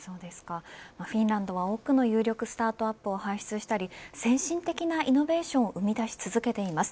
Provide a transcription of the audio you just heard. フィンランドは多くの有力スタートアップを排出したり先進的なイノベーションを生み出し続けています。